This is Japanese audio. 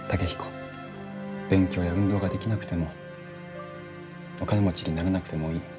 勉強や運動ができなくてもお金持ちになれなくてもいい。